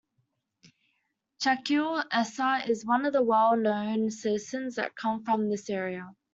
Shakeel Essa is one of the well-known citizens that comes from this area.